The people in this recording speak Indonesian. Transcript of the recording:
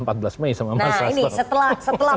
empat belas mei sama mas rastro nah ini setelah